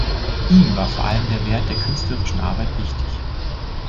Ihm war vor allem der Wert der künstlerischen Arbeit wichtig.